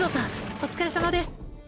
おつかれさまです。